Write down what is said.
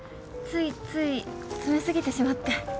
ついつい詰め過ぎてしまって。